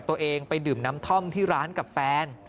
ตัวเองไปดื่มน้ำท่อมที่ร้านกับแฟน